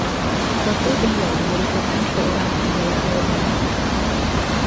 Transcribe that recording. Bapa beliau merupakan seorang penjawat awam